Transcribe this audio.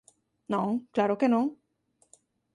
Non, claro que non.